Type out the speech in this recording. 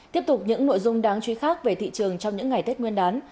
tiếp tục những nội dung đáng truy khác về thị trường trong những ngày tết nguyên đán